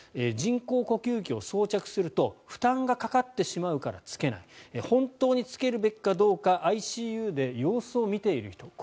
人工呼吸器を装着すると負担がかかってしまうからつけない本当につけるべきかどうかＩＣＵで様子を見ている人。